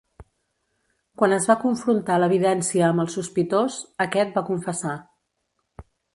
Quan es va confrontar l'evidència amb el sospitós, aquest va confessar.